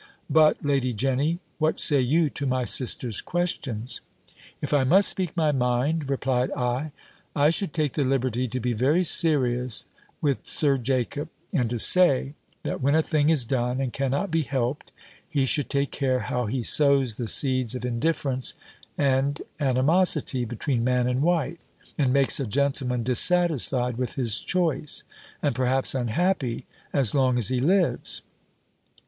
But, Lady Jenny, what say you to my sister's questions?" "If I must speak my mind," replied I, "I should take the liberty to be very serious with Sir Jacob, and to say, that when a thing is done, and cannot be helped, he should take care how he sows the seeds of indifference and animosity between man and wife, and makes a gentleman dissatisfied with his choice, and perhaps unhappy as long as he lives."